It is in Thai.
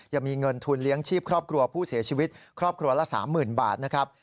ยังมีเงินทุนเลี้ยงชีพครอบครัวผู้เสียชีวิตครอบครัวละ๓๐๐๐บาทนะครับ